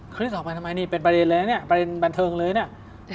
คริสต์ออกไปทำไมนี่เป็นประเด็นเลยนี่ประเด็นบรรเทิงเลยนี่